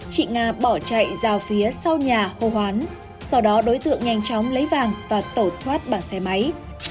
chị nga bỏ chạy rao phía sau nhà hô hoán sau đó đối tượng nhanh chóng lấy vàng và tẩu thoát bằng xe máy